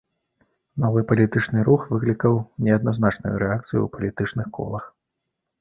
Новы палітычны рух выклікаў неадназначную рэакцыю ў палітычных колах.